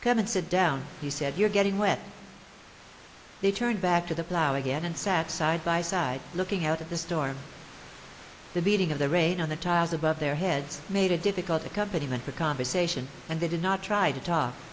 'Come and sit down,' he said; 'you're getting wet.' They turned back to the plough again and sat side by side, looking out at the storm. The beating of the rain on the tiles above their heads made a difficult accompaniment for conversation, and they did not try to talk.